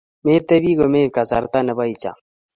metebi komeib kasarta nebo icham